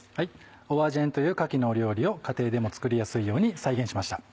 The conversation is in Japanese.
オアジェンというかきの料理を家庭でも作りやすいように再現しました。